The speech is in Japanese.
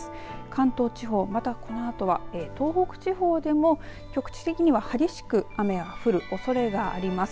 関東地方また、このあとは東北地方でも局地的には激しく雨が降るおそれがあります。